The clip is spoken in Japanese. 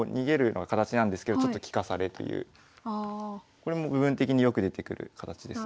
これも部分的によく出てくる形ですね。